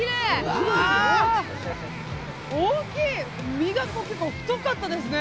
身が結構太かったですね。